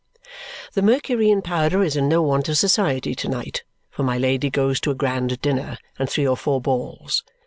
The Mercury in powder is in no want of society to night, for my Lady goes to a grand dinner and three or four balls.